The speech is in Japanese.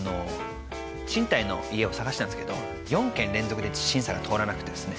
賃貸の家を探してたんですけど４軒連続で審査が通らなくてですね